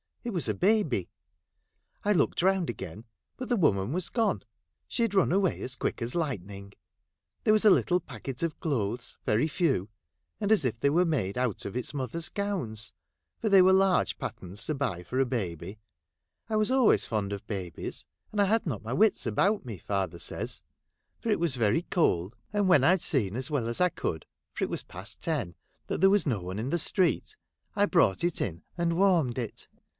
It was a baby. I looked round again ; but the woman was gone. She had run away as quick as lightning. There was a little packet of clothes — very few — and as if they were made out of its mother's gowns, for they were large patterns to buy for a baby. I was always fond of babies ; and I had not my wits about me, father says ; for it HOUSEHOLD WORDS. [Conducted by was very cold, and when I 'd seen as well as 1 could (for it was pnxl ten) that there was no one in the street, 1 brought it in and warmed it.